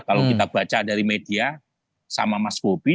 kalau kita baca dari media sama mas bobi